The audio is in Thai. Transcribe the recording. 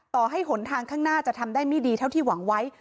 ต่อให้หนทางข้างหน้าจะทำได้ไม่ดีเท่าที่หวังไว้